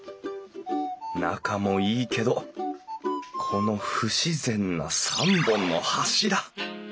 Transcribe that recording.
中もいいけどこの不自然な３本の柱。